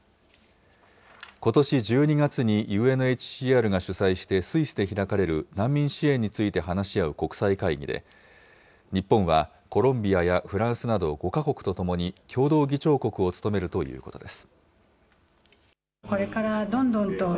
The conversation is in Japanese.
ことし１２月にＵＮＨＣＲが主催して、スイスで開かれる難民支援について話し合う国際会議で、日本はコロンビアやフランスなど５か国とともに共同議長国を務めるということです。